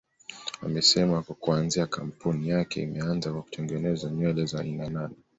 Amesema kwa kuanzia kampuni yake imeanza kwa kutengeneza nywele za aina nane